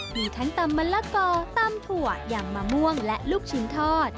มีทั้งตำมะละกอตำถั่วอย่างมะม่วงและลูกชิ้นทอด